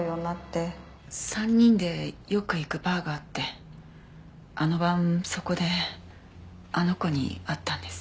３人でよく行くバーがあってあの晩そこであの子に会ったんです。